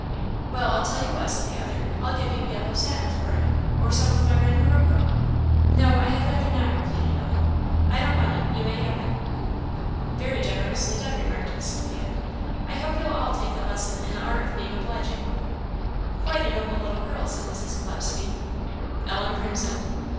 "Well, I'll tell you what," said the other "I'll give you yellow satin for it or some of my red morocco!" "No, I had rather not," repeated Ellen; "I don't want it you may have it." "Very generously done," remarked Miss Sophia; "I hope you'll all take a lesson in the art of being obliging." "Quite a noble little girl," said Mrs. Gillespie. Ellen crimsoned.